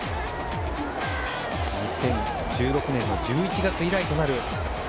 ２０１６年の１１月以来となる侍